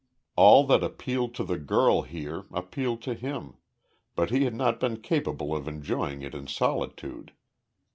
All that appealed to the girl here, appealed to him, but he had not been capable of enjoying it in solitude.